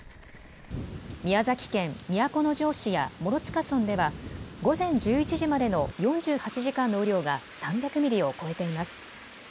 宮崎県都城市や諸塚村では、午前１１時までの４８時間の雨量が、３００ミリを超えています。